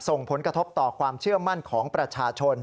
ส่งผลกระทบต่อความเชื่อมั่นของประชาชน